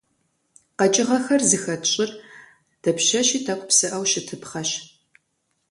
Къэкӏыгъэхэр зыхэт щӏыр дапщэщи тӏэкӏу псыӏэу щытыпхъэщ.